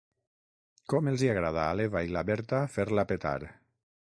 Com els hi agrada a l'Eva i la Berta fer-la petar.